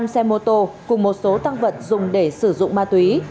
năm xe mô tô cùng một số tăng vận dùng để sử dụng ma túy